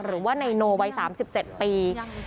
หรือว่านายโนวัย๓๗ปี